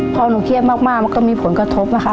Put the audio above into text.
พอหนูเครียดมากมันก็มีผลกระทบนะคะ